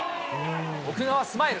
奥川スマイル。